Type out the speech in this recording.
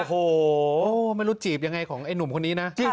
โอ้โหไม่รู้จีบยังไงของไอ้หนุ่มคนนี้นะ